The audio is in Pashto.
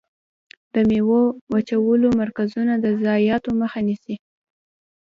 د ميوو وچولو مرکزونه د ضایعاتو مخه نیسي.